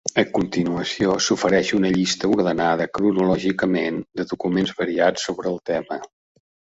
A continuació s'ofereix una llista ordenada cronològicament de documents variats sobre el tema.